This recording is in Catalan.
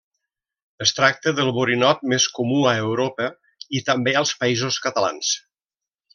Es tracta del borinot més comú a Europa i també als Països Catalans.